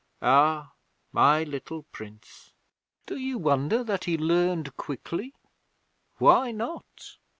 Ah, my little Prince! Do you wonder that he learned quickly? Why not?'